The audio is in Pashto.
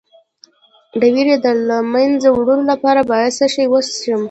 د ویرې د له منځه وړلو لپاره باید څه شی وڅښم؟